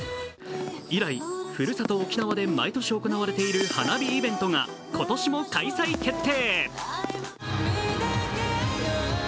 以来、ふるさと・沖縄で毎年行われている花火イベントが今年も開催決定。